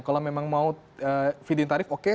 kalau memang mau feed in tarif oke